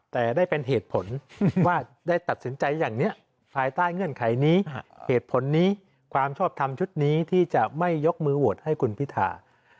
แต่ได้เป็นเหตุผลว่าได้ตัดสินใจอย่างนี้ภายใต้เงื่อนไขนี้เหตุผลนี้ความชอบทำชุดนี้ที่จะไม่ยกมือโหวตให้คุณพิธา